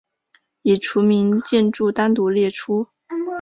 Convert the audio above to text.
已除名建筑单独列出。